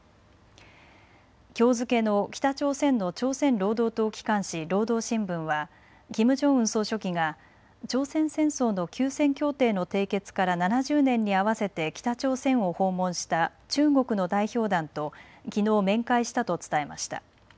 きょう付けの北朝鮮の朝鮮労働党機関紙、労働新聞はキム・ジョンウン総書記が朝鮮戦争の休戦協定の締結から７０年に合わせて北朝鮮を訪問した中国の代表団ときのう面会したと伝えました。